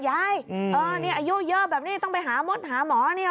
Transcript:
ยายนี่อายุเยอะแบบนี้ต้องไปหามดหาหมอเนี่ย